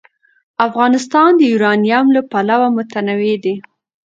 افغانستان د یورانیم له پلوه متنوع دی.